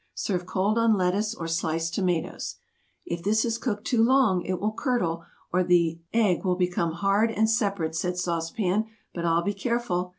Serve cold on lettuce or sliced tomatoes. "If this is cooked too long, it will 'curdle' or the be egg will become hard and separate," said Sauce Pan; "but I'll be careful.